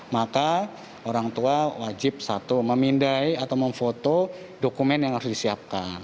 maka orang tua wajib satu memindai atau memfoto dokumen yang harus disiapkan